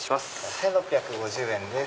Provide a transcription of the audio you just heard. １６５０円です。